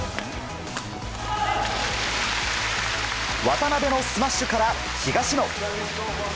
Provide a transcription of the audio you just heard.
渡辺のスマッシュから東野。